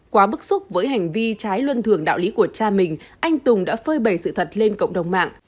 quá bức xúc với hành vi trái luân thường đạo lý của cha mình anh tùng đã phơi bầy sự thật lên cộng đồng mạng